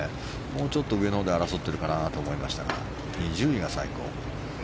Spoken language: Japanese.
もうちょっと上のほうで争ってるかなと思いましたが２０位が最高。